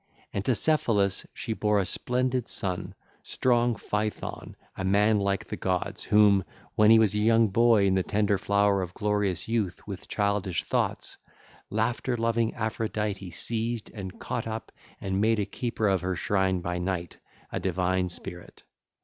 And to Cephalus she bare a splendid son, strong Phaethon, a man like the gods, whom, when he was a young boy in the tender flower of glorious youth with childish thoughts, laughter loving Aphrodite seized and caught up and made a keeper of her shrine by night, a divine spirit.